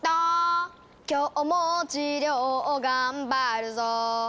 「今日も治療を頑張るぞ」